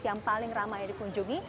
yang paling ramai dikunjungi